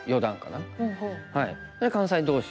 関西同士。